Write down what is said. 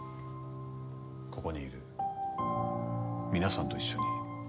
ここにいる皆さんと一緒に。